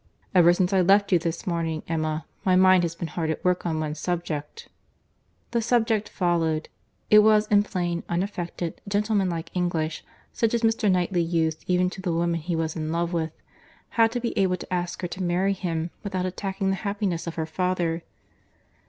Ever since I left you this morning, Emma, my mind has been hard at work on one subject." The subject followed; it was in plain, unaffected, gentlemanlike English, such as Mr. Knightley used even to the woman he was in love with, how to be able to ask her to marry him, without attacking the happiness of her father.